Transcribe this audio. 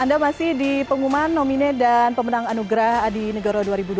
anda masih di pengumuman nomine dan pemenang anugerah adi negoro dua ribu dua puluh